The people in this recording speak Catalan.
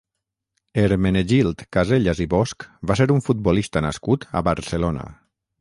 Hermenegild Casellas i Bosch va ser un futbolista nascut a Barcelona.